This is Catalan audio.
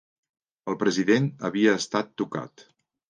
El president havia estat tocat.